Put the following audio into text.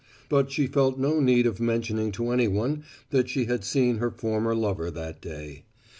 But she felt no need of mentioning to any one that she had seen her former lover that day.